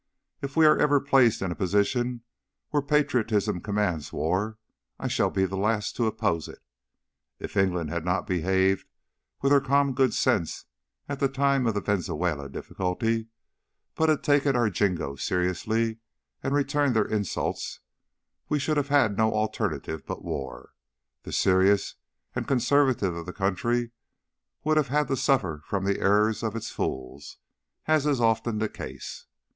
If we ever are placed in a position where patriotism commands war, I shall be the last to oppose it. If England had not behaved with her calm good sense at the time of the Venezuela difficulty, but had taken our jingoes seriously and returned their insults, we should have had no alternative but war, the serious and conservative of the country would have had to suffer from the errors of its fools, as is often the case.